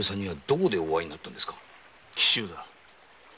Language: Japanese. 紀州だ。